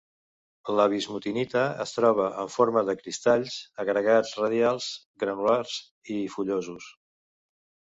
La bismutinita es troba en forma de cristalls, agregats radials, granulars i fullosos.